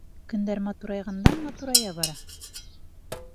Көндәр матурайғандан-матурая бара.